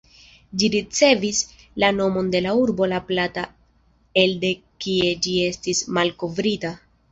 Ĝi ricevis la nomon de la urbo "La Plata", elde kie ĝi estis malkovrita.